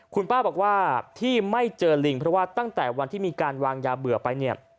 คุณป้าบอกว่าที่ไม่เจอลิงเพราะว่าตั้งแต่วันที่มีการวางยาเบื่อไปเนี่ย